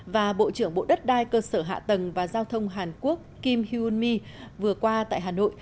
và bộ trưởng bộ đất đai cơ sở hạ tầng và giao thông hàn quốc kim hunmi vừa qua tại hà nội